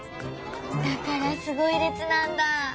だからすごいれつなんだ。